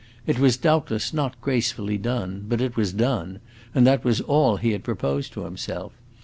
It was doubtless not gracefully done, but it was done, and that was all he had proposed to himself.